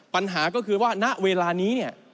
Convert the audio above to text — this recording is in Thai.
ปัญหาก็คือว่าณเวลานี้เนี่ย